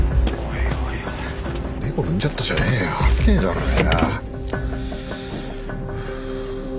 猫踏んじゃったじゃねえよ危ねえだろうよ。